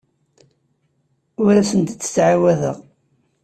Ur asent-d-ttɛawadeɣ.